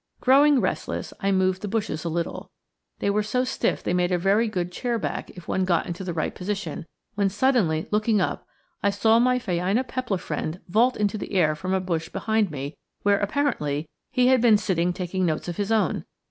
Growing restless, I moved the bushes a little they were so stiff they made a very good chair back if one got into the right position when suddenly, looking up I saw my phainopepla friend vault into the air from a bush behind me, where, apparently, he had been sitting taking notes of his own!